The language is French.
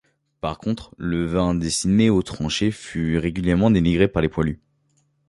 Par contre, le vin destinés aux tranchées fut régulièrement dénigré par les poilus.